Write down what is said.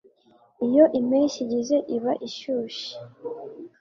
Iyo impeshyi igeze iba ishyushye